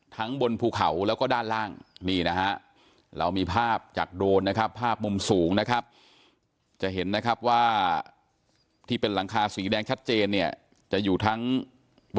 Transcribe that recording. ทั้งบนภูเขาแล้วก็ด้านล่างนี่นะฮะเรามีภาพจากโดรนนะครับ